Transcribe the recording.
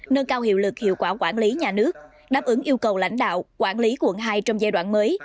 nâng cao hiệu lực hiệu quả quản lý nhà nước đáp ứng yêu cầu lãnh đạo quản lý quận hai trong giai đoạn mới